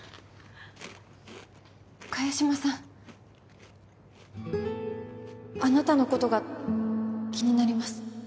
萱島さんあなたのことが気になります